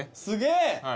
すげぇ！